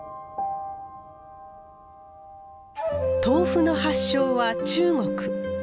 豆腐の発祥は中国。